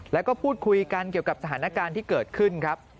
แล้วก็พูดคุยกันเกี่ยวกับสถานการณ์ที่เกิดขึ้นครับ